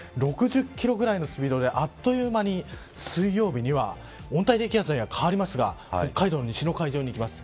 ６０キロぐらいのスピードであっという間に水曜日には温帯低気圧には変わりますが北海道の西の海上にいきます。